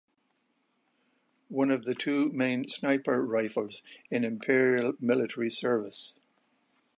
One of the two main sniper rifles in imperial military service.